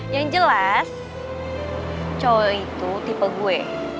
yang jelas co itu tipe gue